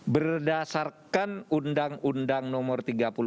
berdasarkan undang undang nomor tiga puluh lima